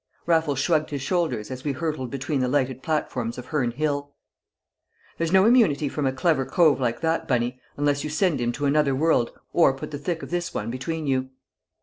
Raffles shrugged his shoulders as we hurtled between the lighted platforms of Herne Hill. "There's no immunity from a clever cove like that, Bunny, unless you send him to another world or put the thick of this one between you.